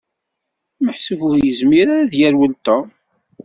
Meḥsub ur yezmir ara ad yerwel Tom.